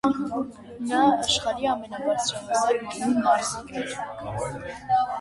Նա աշխարհի ամենաբարձրահասակ կին մարզիկն է։